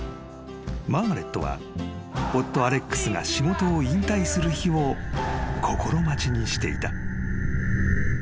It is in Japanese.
［マーガレットは夫アレックスが仕事を引退する日を心待ちにしていた］